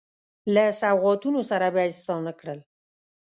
له سوغاتونو سره به یې ستانه کړل.